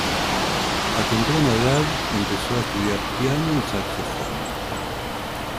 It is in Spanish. A temprana edad, empezó a estudiar piano y saxofón.